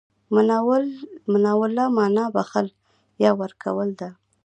مناوله مانا بخښل، يا ورکول ده.